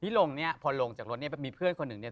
ลงเนี่ยพอลงจากรถเนี่ยมีเพื่อนคนหนึ่งเนี่ย